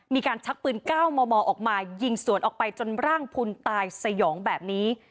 ชักปืน๙มมออกมายิงสวนออกไปจนร่างพุนตายสยองแบบนี้